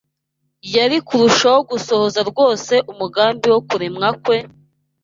Yari kurushaho gusohoza rwose umugambi wo kuremwa kwe,